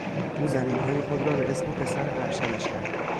او زمینهای خود را به اسم پسر ارشدش کرد.